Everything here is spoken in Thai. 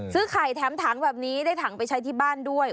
ซื้อไข่แถมถังแบบนี้ได้ถังไปใช้ที่บ้านด้วย